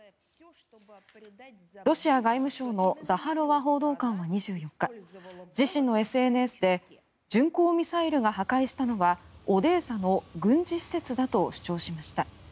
ロシア外務省のザハロワ報道官は２４日自身のＳＮＳで巡航ミサイルが破壊したのはオデーサの軍事施設だと主張しました。